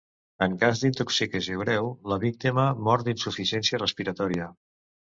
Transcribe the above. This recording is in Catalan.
En cas d'intoxicació greu, la víctima mor d'insuficiència respiratòria.